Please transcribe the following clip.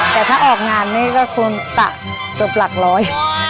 แต่ถ้าออกงานไม่ได้ก็ควรตะตัวปลักร้อย